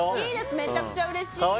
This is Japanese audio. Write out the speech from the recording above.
めちゃくちゃうれしい！